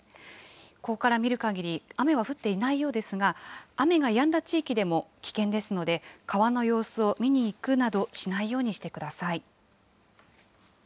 ここから見るかぎり、雨は降っていないようですが、雨がやんだ地域でも、危険ですので、川の様子を見に行くなどしないようにしてください。